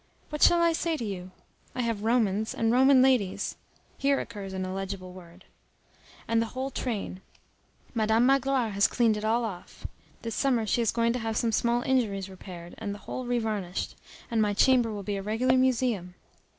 What shall I say to you? I have Romans, and Roman ladies [here occurs an illegible word], and the whole train. Madam Magloire has cleaned it all off; this summer she is going to have some small injuries repaired, and the whole revarnished, and my chamber will be a regular museum.